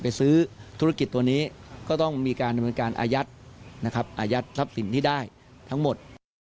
ไปซื้อธุรกิจตัวนี้ก็ต้องมีการอายัดทรัพย์สินที่ได้ทั้งหมด